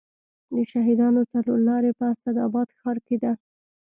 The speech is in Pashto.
د شهیدانو څلور لارې په اسداباد ښار کې ده